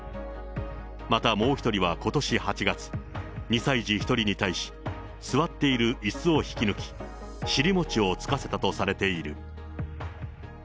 またもう一人はことし８月、２歳児１人に対し、座っているいすを引き抜き、尻餅をつかせたとされている。